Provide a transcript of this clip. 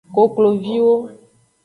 Kokloviwo.